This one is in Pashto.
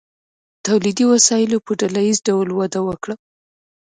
تولیدي وسایلو په ډله ایز ډول وده وکړه.